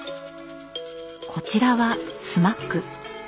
こちらはスマック。